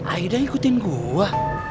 aida ikutin gua